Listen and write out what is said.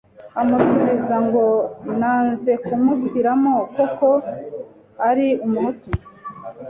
amusubiza ngo nanze kumushyiramo kuko ari umuhutu,